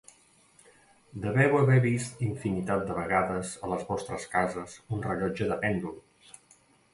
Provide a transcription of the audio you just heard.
Deveu haver vist infinitat de vegades a les vostres cases un rellotge de pèndol.